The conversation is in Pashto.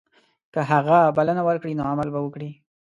که هغه بلنه ورکړي نو عمل به وکړي.